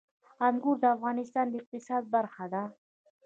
انګور د افغانستان د اقتصاد برخه ده.